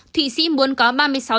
thụy sĩ muốn có ba mươi sáu tỷ đô la mỹ